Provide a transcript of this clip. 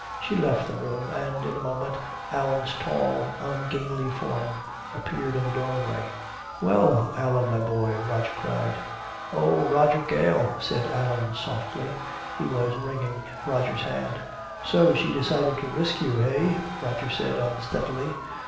She left the room, and in a moment Allan's tall ungainly form appeared in the doorway. "Well, Allan, my boy," Roger cried. "Oh, Roger Gale," said Allan softly. He was wringing Roger's hand. "So she decided to risk you, eh," Roger said unsteadily.